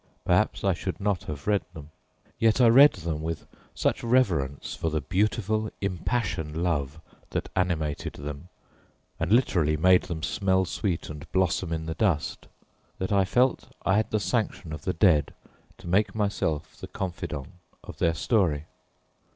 Perhaps I should not have read them yet I read them with such reverence for the beautiful, impassioned love that animated them, and literally made them "smell sweet and blossom in the dust," that I felt I had the sanction of the dead to make myself the confidant of their story.